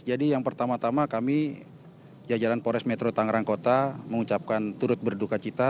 jadi yang pertama tama kami jajaran polres metro tangerang kota mengucapkan turut berduka cita